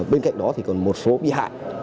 bên cạnh đó thì còn một số bị hại